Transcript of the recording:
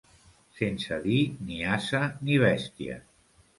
Sense dir ni ase ni bèstia.